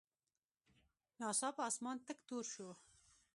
ناڅاپه اسمان تک تور شو.